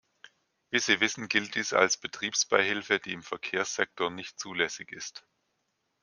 Wie Sie wissen, gilt dies als Betriebsbeihilfe, die im Verkehrssektor nicht zulässig ist.